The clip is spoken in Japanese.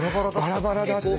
バラバラだった。